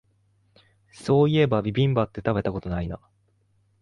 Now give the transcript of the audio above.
そういえばビビンバって食べたことないな